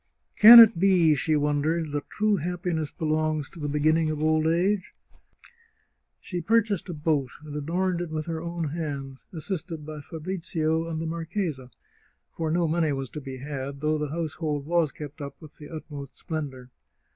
" Can it be," she wondered, " that true happiness belongs to the beginning of old age ?" She purchased a boat, and adorned it with her own hands, assisted by Fabrizio and the mar chesa, for no money was to be had, though the household was kept up with the utmost splendour.